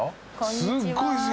すっごいっすよ。